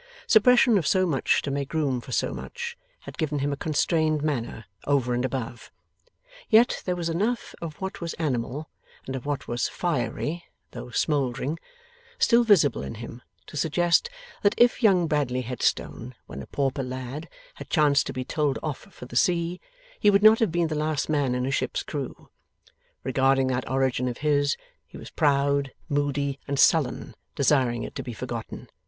Suppression of so much to make room for so much, had given him a constrained manner, over and above. Yet there was enough of what was animal, and of what was fiery (though smouldering), still visible in him, to suggest that if young Bradley Headstone, when a pauper lad, had chanced to be told off for the sea, he would not have been the last man in a ship's crew. Regarding that origin of his, he was proud, moody, and sullen, desiring it to be forgotten.